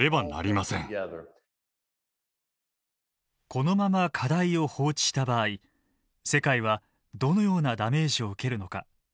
このまま課題を放置した場合世界はどのようなダメージを受けるのか。